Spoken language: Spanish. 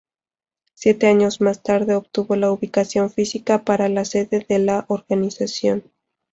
Siete años más tarde, obtuvo la ubicación física para la sede de la organización.